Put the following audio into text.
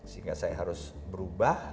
sehingga saya harus berubah